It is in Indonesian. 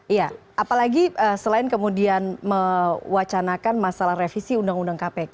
iya apalagi selain kemudian mewacanakan masalah revisi undang undang kpk